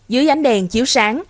dưới ánh đèn chiếu sáng